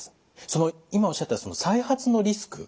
その今おっしゃった再発のリスク